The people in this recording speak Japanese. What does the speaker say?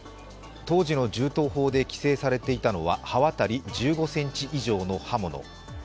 当時の銃刀法で規制されていたのは刃渡り１５ｃｍ以上の刃物。